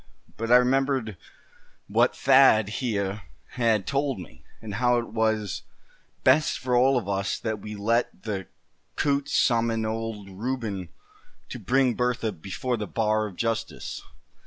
But I remembered what Thad heah had told me, and how it was best for all of us that we let the cou'ts summon old Reuben to bring Bertha before the bar of justice.